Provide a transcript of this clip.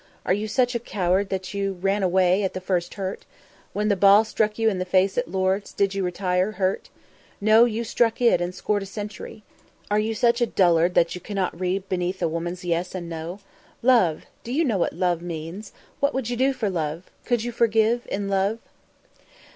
"Are you such a coward that you run away at the first hurt? When the ball struck you in the face at Lords, did you retire hurt? No; you stuck it, and scored a century! Are you such a dullard that you cannot read beneath a woman's yes and no? Love! Do you know what love means? What would you do for love? Could you forgive in love?"